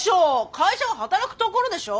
会社は働くところでしょ。